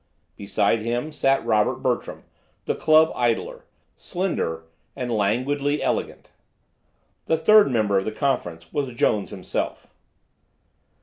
Beside him sat Robert Bertram, the club idler, slender and languidly elegant. The third member of the conference was Jones himself.